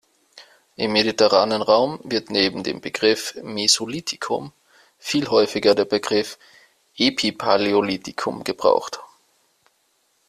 Im mediterranen Raum wird neben dem Begriff „Mesolithikum“ viel häufiger der Begriff „Epipaläolithikum“ gebraucht.